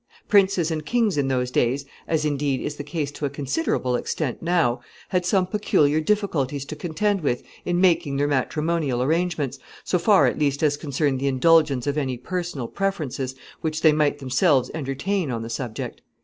] Princes and kings in those days, as, indeed, is the case to a considerable extent now, had some peculiar difficulties to contend with in making their matrimonial arrangements, so far at least as concerned the indulgence of any personal preferences which they might themselves entertain on the subject.